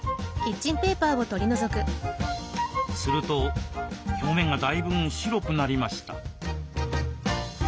すると表面がだいぶん白くなりました。